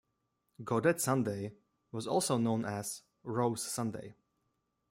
Gaudete Sunday was also known as "Rose Sunday".